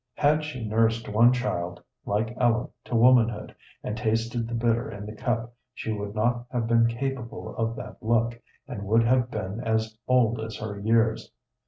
Had she nursed one child like Ellen to womanhood, and tasted the bitter in the cup, she would not have been capable of that look, and would have been as old as her years.